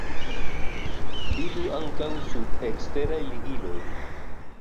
Vidu ankaŭ sub 'Eksteraj ligiloj'.